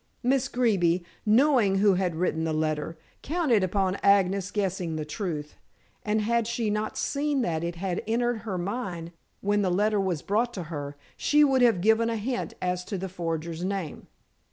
Miss Greeby, knowing who had written the letter, counted upon Agnes guessing the truth, and had she not seen that it had entered her mind, when the letter was brought to her, she would have given a hint as to the forger's name.